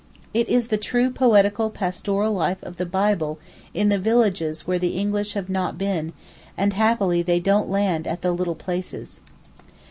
It is the true poetical pastoral life of the Bible in the villages where the English have not been, and happily they don't land at the little places.